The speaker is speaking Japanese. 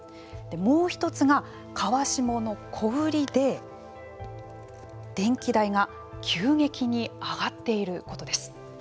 もう一つが、川下の小売りで電気代が急激に上がっていることです。